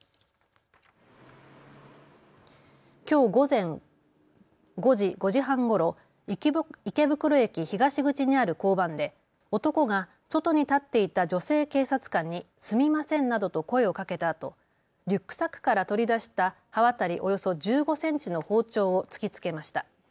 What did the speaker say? きょう午前５時半ごろ池袋駅東口にある交番で男が外に立っていた女性警察官にすみませんなどと声をかけたあとリュックサックから取り出した刃渡りおよそ１５センチの包丁を突きつけました。